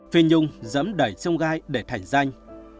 phi nhung dẫm đẩy chung gai để thành danh